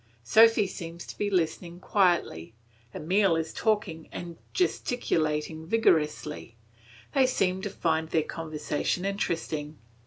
Sophy seems to be listening quietly, Emile is talking and gesticulating vigorously; they seem to find their conversation interesting.